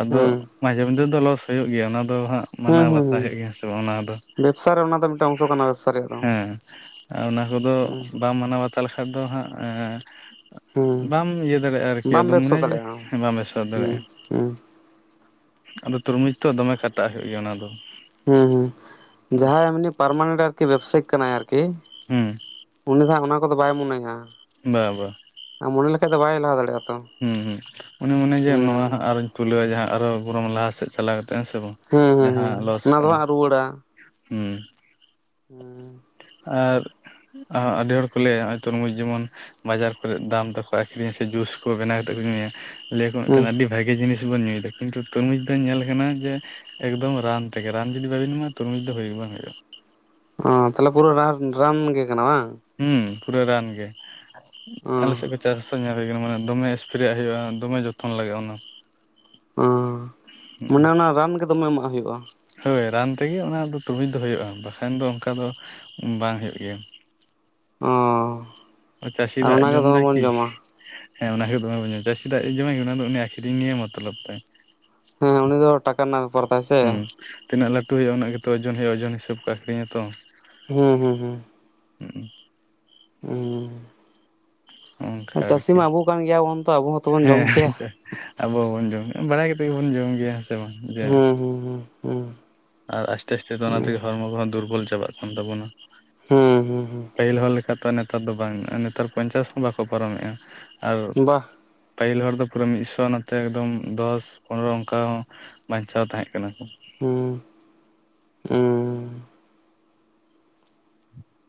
ᱟᱫᱚ ᱦᱮᱸ ᱢᱟᱡᱷᱮ ᱢᱚᱫᱷᱮ ᱫᱚ ᱞᱚᱥ ᱦᱩᱭᱩᱜ ᱜᱮᱭᱟ, ᱚᱱᱟ ᱫᱚ ᱦᱟᱸᱜ ᱦᱮᱸ ᱢᱟᱱᱟᱣ ᱦᱮᱸ ᱵᱟᱛᱟᱣ ᱦᱩᱭᱩᱜ ᱜᱮᱭᱟ ᱦᱮᱸ ᱥᱮ ᱵᱟᱝ ᱚᱱᱟ ᱫᱚ ᱾ ᱵᱮᱵᱽᱥᱟ ᱨᱮ ᱚᱱᱟ ᱫᱚ ᱢᱮᱫᱴᱟᱝ ᱚᱝᱥᱚ ᱠᱟᱱᱟ ᱵᱮᱵᱽᱥᱟ ᱨᱮᱭᱟᱜ ᱫᱚ ᱟᱨ ᱚᱱᱟ ᱠᱚᱫᱚ ᱩᱸ ᱵᱟᱢ ᱢᱟᱱᱟᱣ ᱵᱟᱛᱟᱣ ᱞᱮᱠᱷᱟᱡ ᱫᱚ ᱦᱟᱸᱜ ᱮᱸ [inaudible] ᱦᱮᱸ ᱵᱟᱢ ᱤᱭᱟᱹ ᱫᱟᱲᱮᱭᱟᱜ-ᱟ ᱟᱨᱠᱤ ᱵᱟᱢ ᱟᱫᱚᱢ ᱵᱮᱵᱽᱥᱟ ᱢᱮᱱᱟᱭᱟ ᱡᱮ ᱫᱟᱲᱮᱭᱟᱜᱼᱟ ᱵᱟᱢ ᱵᱮᱵᱽᱥᱟ ᱫᱟᱲᱮᱭᱟᱜ-ᱟ ᱾ [unintelligible] ᱟᱫᱚ ᱛᱩᱨᱢᱩᱡᱽ ᱛᱚ ᱫᱚᱢᱮ ᱠᱷᱟᱴᱟᱜ ᱦᱩᱭᱩᱜ ᱜᱮᱭᱟ ᱚᱱᱟ ᱫᱚ ᱾ ᱦᱮᱸ ᱦᱮᱸ ᱡᱟᱦᱟᱸᱭ ᱮᱢᱱᱤ ᱯᱟᱨᱢᱟᱱᱮᱱᱴ ᱟᱨᱠᱤ ᱵᱮᱵᱽᱥᱟᱭᱤᱠ ᱠᱟᱱᱟᱭ ᱟᱨᱠᱤ ᱾ ᱦᱩᱸ ᱾ ᱩᱱᱤ ᱫᱚ ᱦᱟᱸᱜ ᱚᱱᱟ ᱠᱚᱫᱚ ᱵᱟᱭ ᱢᱚᱱᱮᱭᱟ ᱾ ᱵᱟ ᱵᱟ ᱾ [unintelligible] ᱢᱚᱱᱮ ᱞᱮᱠᱟᱡ ᱫᱚ ᱵᱟᱭ ᱞᱟᱦᱟ ᱫᱟᱲᱮᱭᱟᱜ-ᱟ ᱾ ᱦᱩᱸ ᱦᱩᱸ ᱩᱱᱤ ᱢᱚᱱᱮᱭᱟ ᱡᱮ ᱱᱚᱣᱟ ᱦᱟᱸᱜ ᱟᱨᱚᱧ ᱠᱷᱩᱞᱟᱹᱣ ᱡᱟᱦᱟᱸ ᱟᱨᱚ ᱵᱚᱨᱚᱢ ᱞᱟᱦᱟ ᱥᱮᱫ ᱪᱟᱞᱟᱣ ᱠᱟᱛᱮ ᱦᱮᱸ ᱥᱮ ᱵᱟᱝ ᱾ ᱦᱩᱸ ᱦᱩᱸ ᱦᱩᱸ ᱚᱱᱟ ᱫᱚ ᱦᱟᱸᱜ ᱨᱩᱣᱟᱹᱲᱟ ᱾ ᱦᱩᱸ ᱦᱮᱸᱻ ᱾ ᱟᱨ ᱟᱨ ᱟᱹᱰᱤ ᱦᱚᱲ ᱠᱚ ᱞᱟᱹᱭᱟ ᱱᱚ-ᱚᱭ ᱛᱩᱨᱢᱩᱡᱽ ᱡᱮᱢᱚᱱ ᱵᱟᱡᱟᱨ ᱠᱚᱨᱮ ᱫᱟᱢ ᱛᱮᱠᱚ ᱟᱠᱷᱨᱤᱧᱟ ᱥᱮ ᱡᱩᱥ ᱦᱳᱭ ᱵᱮᱱᱟᱣ ᱠᱟᱛᱮ ᱠᱚ ᱧᱩᱭᱟ ᱞᱟᱹᱭᱟ ᱠᱚ ᱢᱤᱫᱴᱮᱱ ᱟᱹᱰᱤ ᱵᱷᱟᱜᱮ ᱵᱷᱜᱮ ᱡᱤᱱᱤᱥ ᱵᱚᱱ ᱧᱩᱭᱮᱫᱟ ᱠᱤᱱᱛᱩ ᱛᱩᱨᱢᱩᱡᱽ ᱫᱚ ᱧᱮᱞ ᱠᱟᱱᱟ ᱡᱮ ᱮᱠᱫᱚᱢ ᱨᱟᱱ ᱛᱮᱜᱮ ᱨᱟᱱ ᱡᱩᱫᱤ ᱵᱟᱵᱤᱱ ᱮᱢᱟ ᱛᱩᱨᱢᱩᱡᱽ ᱫᱚ ᱦᱩᱭᱩᱜ ᱜᱮ ᱵᱟᱝ ᱦᱩᱭᱩᱜ-ᱟ ᱾ ᱚ ᱛᱟᱦᱚᱞᱮ ᱯᱩᱨᱟᱹ ᱨᱟᱱ ᱨᱟᱱ ᱜᱮ ᱠᱟᱱᱟ ᱵᱟᱝ ᱾ ᱦᱩᱸ ᱯᱩᱨᱟᱹ ᱨᱟᱱ ᱜᱮ ᱟᱞᱮ ᱥᱮᱫ [inaudible] ᱚ ᱪᱟᱥ ᱠᱟᱛᱮ ᱧᱮᱞ ᱦᱩᱭ ᱠᱟᱱᱟ ᱢᱟᱱᱮ ᱫᱚᱢᱮ ᱮᱥᱯᱨᱮᱭᱟᱜ ᱦᱩᱭᱩᱜᱼᱟ ᱫᱚᱢᱮ ᱡᱚᱛᱚᱱ ᱞᱟᱜᱟᱜᱼᱟ ᱚᱱᱟ ᱾ [inaudible] ᱢᱟᱱᱮ ᱚᱱᱟ ᱨᱟᱱ ᱜᱮ ᱫᱚᱢᱮ ᱮᱢᱟᱜ ᱦᱩᱭᱩᱜ-ᱟ ᱾ ᱦᱳᱭ ᱨᱟᱱ ᱛᱮᱜᱮ ᱚᱱᱟ ᱫᱚ ᱛᱩᱨᱢᱩᱡᱽ ᱫᱚ ᱦᱳᱭᱜ-ᱟ ᱵᱟᱠᱷᱟᱱ ᱫᱚ ᱚᱱᱠᱟ ᱫᱚ ᱵᱟᱝ ᱦᱳᱭᱳᱜ ᱜᱮᱭᱟ ᱾ ᱚᱻᱻ ᱚ ᱪᱟᱥᱤ ᱫᱚ ᱟᱡ ᱡᱚᱢᱫᱟᱭ ᱠᱤ? ᱦᱮᱸ ᱚᱱᱟ ᱜᱮ ᱫᱚᱢᱮ ᱵᱚᱱ ᱧᱟᱢᱟ ᱪᱟᱹᱥᱤ ᱫᱟᱜ ᱡᱚᱢᱟᱭ ᱜᱮ ᱚᱱᱟ ᱫᱚ ᱩᱱᱤ ᱟᱹᱠᱷᱨᱤᱧ ᱱᱤᱭᱮ ᱢᱚᱛᱞᱚᱵᱽ ᱛᱟᱭ ᱦᱮᱸ ᱩᱱᱤ ᱫᱚ ᱴᱟᱠᱟ ᱾ ᱨᱮᱱᱟᱜ ᱵᱮᱯᱟᱨ ᱛᱟᱭ ᱥᱮ [unintelligible] ᱦᱩᱸ ᱛᱤᱱᱟᱹᱜ ᱞᱟᱹᱴ ᱦᱩᱭᱩᱜ-ᱟ ᱩᱱᱟᱹᱜ ᱜᱮᱛᱚ ᱳᱡᱚᱱ ᱦᱩᱭᱩᱜ ᱳᱡᱚᱱ ᱦᱤᱥᱟᱹᱵᱽ ᱠᱚ ᱟᱠᱷᱨᱤᱧ ᱟᱛᱚ ᱾ ᱦᱮᱸ ᱦᱩᱸ ᱦᱩᱸ ᱾ [unintelligible] ᱚᱱᱠᱟ [unintelligible] ᱪᱟᱥᱤ ᱟᱨᱠᱤ ᱢᱟ ᱟᱵᱚ ᱠᱟᱱ ᱜᱮᱭᱟᱵᱚᱱ ᱛᱚ ᱟᱵᱚ ᱦᱚᱸᱛᱚ ᱵᱚᱱ ᱡᱚᱢ ᱦᱮᱸ ᱠᱮᱭᱟ ᱾ ᱟᱪᱪᱷᱟ ᱟᱵᱚ ᱵᱚᱱ ᱡᱚᱢ [inaudible] ᱵᱟᱲᱟᱭ ᱠᱟᱛᱮᱫ ᱜᱮᱵᱚᱱ ᱡᱚᱢ ᱜᱮᱭᱟ ᱦᱮᱸᱥᱮ ᱵᱟᱝ ᱾ ᱦᱩᱸ ᱦᱩᱸ ᱦᱩᱸ ᱦᱩᱸ ᱟᱨ ᱟᱥᱛᱮ ᱟᱥᱛᱮᱫᱚ ᱚᱱᱟ ᱦᱩᱸ ᱛᱮᱜᱮ ᱦᱚᱲᱢᱚ ᱠᱚᱦᱚᱸ ᱫᱩᱨᱵᱚᱞ ᱪᱟᱵᱟᱜ ᱠᱟᱱ ᱛᱟᱵᱚᱱᱟ ᱾ [unintelligible] ᱯᱟᱹᱦᱤᱞ ᱦᱚᱲ ᱞᱮᱠᱟ ᱛᱚ [inaudible] ᱱᱮᱛᱟᱨ ᱫᱚ ᱵᱟᱝ ᱱᱮᱛᱟᱨ ᱯᱚᱧᱪᱟᱥ ᱦᱚᱸ ᱵᱟᱠᱚ ᱯᱟᱨᱚᱢᱮᱜ-ᱟ, ᱟᱨ ᱦᱩᱸ ᱵᱟ ᱯᱟᱹᱦᱤᱞ ᱦᱚᱲ ᱫᱚ ᱯᱩᱨᱟᱹ ᱢᱤᱫ ᱥᱚ ᱱᱚᱛᱮ ᱮᱠᱫᱚᱢ ᱫᱚᱥ ᱯᱚᱱᱨᱚ ᱚᱱᱠᱟ ᱦᱚᱸ ᱵᱟᱧᱪᱟᱣ ᱛᱟᱦᱮᱸ ᱠᱟᱱᱟ ᱠᱚ ᱾ ᱦᱩᱸ ᱺ ᱩᱸ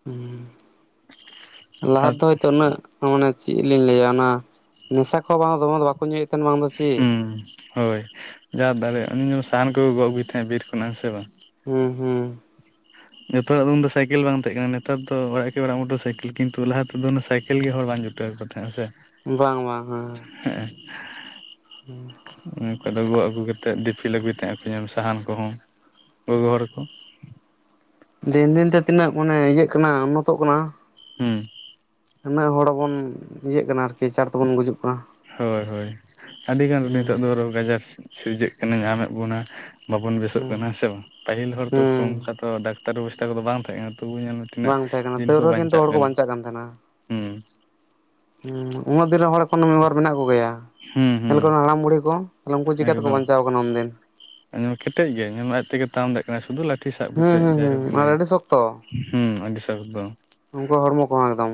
ᱦᱩᱸ ᱞᱟᱦᱟ ᱟᱨ ᱛᱮᱫᱚ ᱦᱚᱭᱛᱚ ᱩᱱᱟᱹᱜ ᱢᱟᱱᱮ ᱪᱮᱫ ᱞᱤᱧ ᱞᱟᱹᱭᱟ ᱚᱱᱟ ᱱᱮᱥᱟ ᱠᱚᱦᱚᱸ ᱵᱟᱝ ᱫᱚᱢᱮ ᱫᱚ ᱵᱟᱠᱚ ᱧᱩᱭᱮᱫ ᱛᱟᱦᱮᱱ ᱵᱟᱝ ᱫᱚ ᱪᱮᱫ ᱦᱩᱸ ᱦᱳᱭ ᱡᱟ ᱫᱟᱲᱮ ᱩᱱᱤ ᱥᱟᱦᱟᱱ ᱠᱚᱠᱚ ᱜᱚᱜ ᱟᱹᱜᱩᱭ ᱛᱟᱦᱮᱸᱫ ᱵᱤᱨ ᱠᱷᱚᱱᱟᱜ ᱦᱮᱸ ᱥᱮ ᱵᱟᱝ᱾ ᱦᱩᱸ ᱦᱩᱸ ᱡᱚᱛᱚ ᱦᱚᱲᱟᱜ ᱫᱚ ᱩᱱᱫᱚ ᱥᱟᱭᱠᱮᱞ ᱵᱟᱝ ᱛᱟᱦᱮᱸ ᱠᱟᱱᱟ, ᱱᱮᱛᱟᱨ ᱫᱚ ᱚᱲᱟᱜ ᱠᱮ ᱚᱲᱟᱜ ᱢᱚᱴᱚᱨ ᱥᱟᱭᱠᱮᱞ ᱠᱤᱱᱛᱩ ᱞᱟᱦᱟ ᱛᱮᱫᱚ ᱚᱱᱟ ᱥᱟᱭᱠᱮᱞ ᱜᱮ ᱦᱚᱲ ᱵᱟᱝ ᱡᱩᱴᱟᱹ [unintelligible] ᱛᱟᱦᱮᱸᱜ ᱦᱮᱸ ᱥᱮ᱾ ᱵᱟᱝ ᱵᱟᱝ ᱦᱮᱸ᱾ ᱦᱮᱸᱜᱮ᱾ ᱦᱩᱸ ᱩᱱ ᱡᱚᱠᱚᱡ ᱫᱚ ᱜᱚᱜ ᱟᱹᱜᱩ ᱠᱟᱛᱮᱫ ᱫᱤᱯᱤ ᱟᱜᱩᱭ ᱛᱟᱦᱮᱸᱜ ᱟᱠᱚ ᱧᱮᱞ ᱢᱮ ᱥᱟᱦᱟᱱ ᱠᱚᱦᱚᱸ ᱜᱚᱜᱚ ᱦᱚᱲ ᱠᱚ᱾ ᱫᱤᱱ ᱫᱤᱱ ᱛᱮ ᱛᱤᱱᱟᱹᱜ ᱢᱟᱱᱮ ᱤᱭᱟᱹᱜ ᱠᱟᱱᱟ ᱩᱱᱱᱚᱛᱚᱜ ᱠᱟᱱᱟ᱾ ᱦᱩᱸ ᱩᱱᱟᱹᱜ ᱦᱚᱲ ᱵᱚᱱ ᱤᱭᱟᱹᱜ ᱠᱟᱱᱟ ᱟᱨᱠᱤ ᱪᱟᱬ ᱛᱮᱵᱚᱱ ᱜᱩᱡᱩᱜ ᱠᱟᱱᱟ᱾ ᱦᱳᱭ ᱦᱳᱭ ᱟᱹᱰᱤᱜᱟᱱ ᱱᱤᱛᱳᱜ ᱦᱩᱸ ᱫᱚ ᱨᱳᱜᱽ ᱟᱡᱟᱨ ᱥᱤᱨᱡᱟᱹᱜ ᱠᱟᱱᱟ ᱧᱟᱢᱮᱫ ᱵᱚᱱᱟ᱾ ᱵᱟᱵᱚᱱ ᱵᱮᱥᱳᱜ ᱦᱩᱸ ᱠᱟᱱᱟ ᱦᱮᱸᱥᱮ ᱵᱟᱝ ᱯᱟᱹᱦᱤᱞ ᱦᱚᱲ ᱛᱚ ᱦᱩᱸ ᱚᱝᱠᱟ ᱛᱚ ᱰᱟᱠᱛᱟᱨ ᱵᱮᱵᱚᱥᱛᱟ ᱠᱚᱫᱚ ᱵᱟᱝ ᱛᱟᱦᱮᱸ ᱠᱟᱱᱟ, ᱛᱚᱵᱩ ᱧᱮᱞ ᱢᱮ ᱛᱤᱱᱟᱹᱜ ᱵᱟᱝ ᱛᱟᱦᱮᱸ ᱠᱟᱱᱟ ᱫᱤᱱ ᱛᱟᱹᱣ ᱠᱚ ᱨᱮᱦᱚᱸ ᱠᱤᱱᱛᱩ ᱦᱚᱲ ᱠᱚ ᱠᱟᱱᱟ ᱵᱟᱧᱪᱟᱜ ᱠᱟᱱ ᱛᱟᱦᱮᱸᱱᱟ᱾ ᱦᱩᱸ ᱦᱩᱸ ᱩᱱᱟᱹᱜ ᱫᱤᱱ ᱨᱮᱱ ᱦᱚᱲ ᱮᱠᱷᱱᱳ ᱢᱤᱫᱵᱟᱨ ᱢᱮᱱᱟᱜ ᱠᱚᱜᱮᱭ-ᱟ᱾ ᱦᱩᱸ ᱦᱩᱸ [unintelligible] ᱦᱟᱲᱟᱢ ᱵᱩᱲᱦᱤ ᱠᱚ ᱛᱟᱞᱦᱮ ᱩᱝᱠᱩ ᱪᱤᱠᱟᱹᱛᱮᱠᱚ ᱵᱟᱧᱪᱟᱣ ᱠᱟᱱᱟ ᱩᱱᱫᱤᱱ? ᱧᱮᱞᱢᱮ ᱠᱮᱴᱮᱡ ᱜᱮᱭᱟᱭ ᱧᱮᱞᱢᱮ ᱟᱡ ᱛᱮᱜᱮ ᱛᱟᱲᱟᱢ ᱫᱟ ᱠᱟᱱᱟ ᱥᱩᱫᱩ ᱞᱟᱴᱷᱤ ᱥᱟᱵ ᱦᱩᱸ ᱠᱟᱛᱮᱫ ᱦᱩᱸ ᱡᱟᱭᱦᱳᱠ ᱦᱩᱸ ᱟᱨ ᱤᱱᱟᱹᱜᱮ ᱟᱹᱰᱤ ᱦᱩᱸ ᱟᱹᱰᱤ [unintelligible] ᱩᱝᱠᱩᱣᱟᱜ ᱦᱚᱲᱢᱚ ᱠᱚᱦᱚᱸ ᱮᱠᱫᱚᱢ